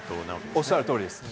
おっしゃる通りです。